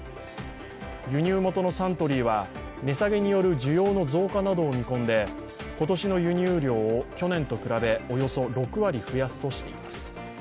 輸入元のサントリーは値下げによる需要の増加などを見込んで今年の輸入量を去年と比べおよそ６割増やすとしています。